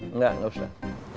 enggak enggak usah